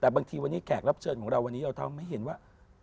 แต่บางทีวันนี้แขกรับเชิญของเราวันนี้เราทำให้เห็นว่า